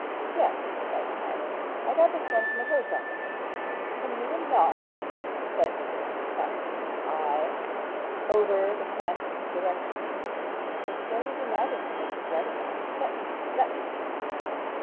'Yes,' replied Smike, 'I got this one from the post office.' 'From Newman Noggs,' said Nicholas, casting his eye upon the cramped direction; 'it's no easy matter to make his writing out. Let me see let me see.